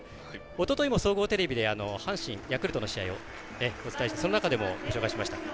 おとといも総合テレビで阪神、ヤクルトの試合をお伝えしてその中でも紹介しました。